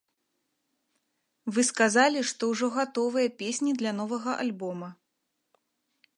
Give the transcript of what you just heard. Вы сказалі, што ўжо гатовыя песні для новага альбома.